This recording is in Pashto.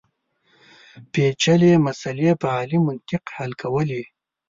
پېچلې مسلې په عالي منطق حل کولې.